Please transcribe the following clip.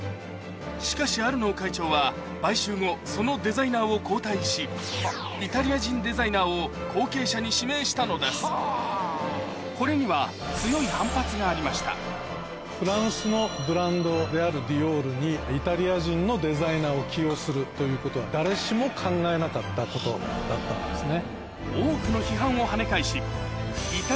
しかしアルノー会長は買収後そのデザイナーを交代しイタリア人デザイナーを後継者に指名したのですこれには強い反発がありましたフランスのブランドであるディオールにイタリア人のデザイナーを起用するということは誰しも考えなかったことだったんですね。